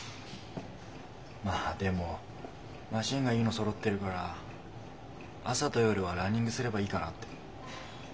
まあでもマシンがいいのそろってるから朝と夜はランニングすればいいかなって。